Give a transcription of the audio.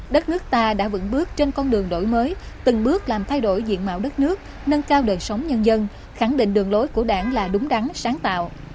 đất nước ta đã vững bước trên con đường đổi mới từng bước làm thay đổi diện mạo đất nước nâng cao đời sống nhân dân khẳng định đường lối của đảng là đúng đắn sáng tạo